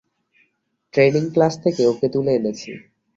Training class থেকে ওকে তুলে এনেছি।